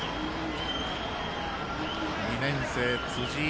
２年生、辻井。